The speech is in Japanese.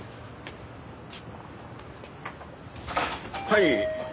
はい。